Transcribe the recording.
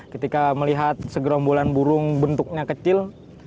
ketika melihat segerombolan burung bentuknya kecil